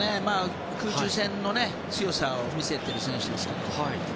空中戦の強さを見せてる選手ですからね。